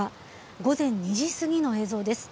午前２時過ぎの映像です。